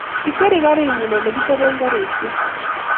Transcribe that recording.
Kikweri karinyi olegichape karishek